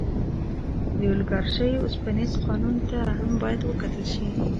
د اولیګارشۍ اوسپنیز قانون ته هم باید وکتل شي.